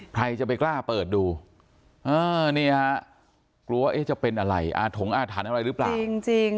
ใครจะไปกล้าเปิดดูนี่ฮะกลัวว่าจะเป็นอะไรอาถงอาถานอะไรรึเปล่า